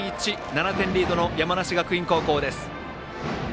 ７点リードの山梨学院高校です。